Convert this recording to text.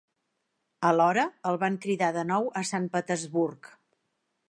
Alhora, el van cridar de nou a Sant Petersburg.